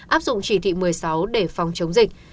áp dụng chỉ thị một mươi sáu để phòng chống dịch